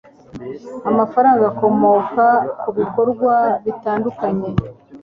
Amafaranga akomoka kubikorwa bitandukanye